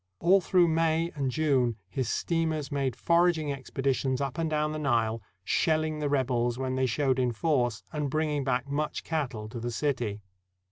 All through May and June his steamers made foraging expeditions up and down the Nile, shelling the rebels when they showed in force, and bringing back much cattle to the city.